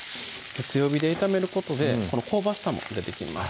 強火で炒めることで香ばしさも出てきます